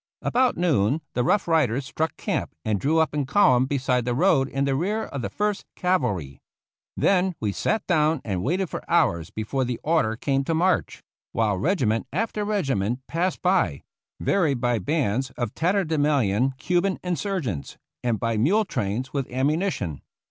About noon the Rough Riders struck camp and drew up in column beside the road in the rear of the First Cavalry. Then we sat down and waited for hours before the order came to march, while regiment after regiment passed by, varied by bands of tatterdemalion Cuban insurgents, and by mule trains with ammunition.